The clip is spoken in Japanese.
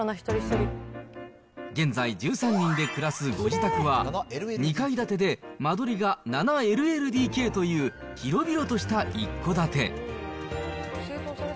現在１３人で暮らすご自宅は２階建てで、間取りが７ＬＬＤＫという広々とした一戸建て。